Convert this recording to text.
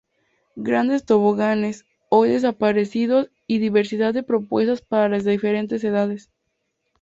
Grandes toboganes, hoy desaparecidos y diversidad de propuestas para las diferentes edades.